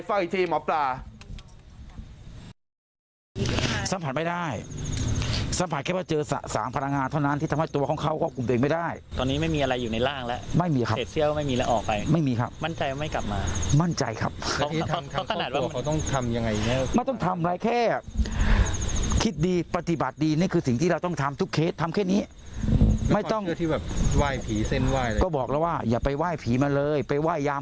ฟังอีกทีหมอปลา